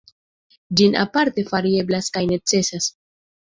Ĝin aparte fari eblas kaj necesas.